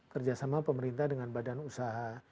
kerjasama pemerintah dengan badan usaha